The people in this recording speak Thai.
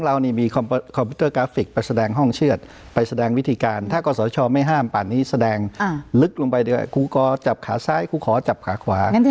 ลึกลงไปด้วยครูกอจับขาซ้ายครูขอจับขาขวา